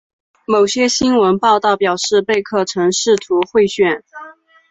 某些新闻报道表示贝克曾试图贿选。